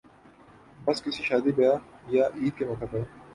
بس کسی شادی بیاہ یا عید کے موقع پر